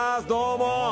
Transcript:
どうも！